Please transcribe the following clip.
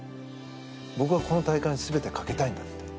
僕は、この大会に全てをかけたいんだって。